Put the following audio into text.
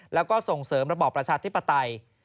แล้วก็ส่งเสริมระบอบประชาธิปไตย